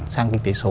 sang kinh tế số